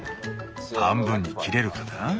半分に切れるかな？